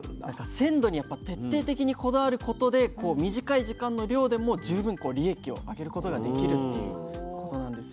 鮮度に徹底的にこだわることでこう短い時間の漁でも十分利益を上げることができるっていうことなんですよね。